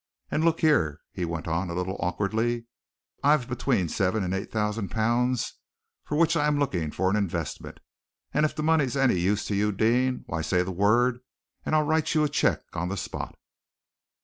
And look here," he went on, a little awkwardly, "I've between seven and eight thousand pounds for which I am looking for an investment, and if the money's any use to you, Deane, why say the word, and I'll write you a cheque on the spot."